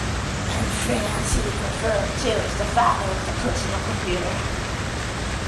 In France, he is referred to as the father of the personal computer.